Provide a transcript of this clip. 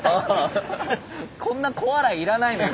こんな小笑いいらないのよ